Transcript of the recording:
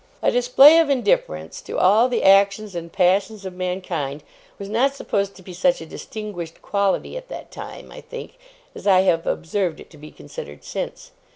A display of indifference to all the actions and passions of mankind was not supposed to be such a distinguished quality at that time, I think, as I have observed it to be considered since.